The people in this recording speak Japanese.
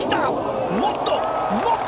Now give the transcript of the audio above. もっと！